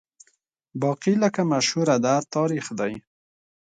باقي لکه مشهوره ده تاریخ دی